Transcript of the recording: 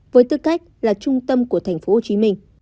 với tư cách là trung tâm của tp hcm